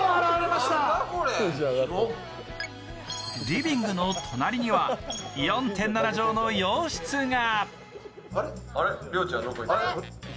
リビングの隣には４．７畳の洋室が。